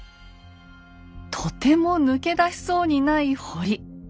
とても抜け出せそうにない堀。